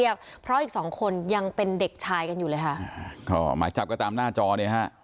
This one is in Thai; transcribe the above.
ยังเป็นเด็กชายกันอยู่เลยค่ะหมาแจบก็ตามหน้าจอได้ฮะ